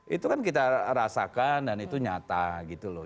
itu kan kita rasakan dan itu nyata gitu loh